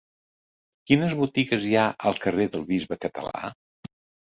Quines botigues hi ha al carrer del Bisbe Català?